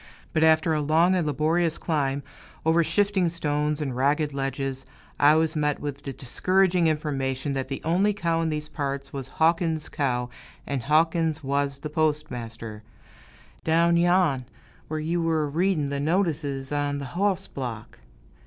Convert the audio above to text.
But after a long and laborious climb, over shifting stones and ragged ledges, I was met with the discouraging information that the only cow in these parts was Hawkins' cow, and Hawkins was the postmaster, "down yon, whar yew were a read'n' th' notices on th' hoss block."